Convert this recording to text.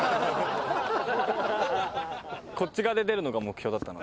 こっち側で出るのが目標だったので。